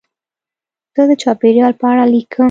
زه د چاپېریال په اړه لیکم.